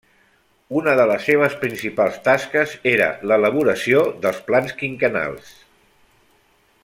Una de les seves principals tasques era l'elaboració dels plans quinquennals.